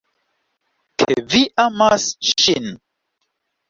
Ke vi amas ŝin.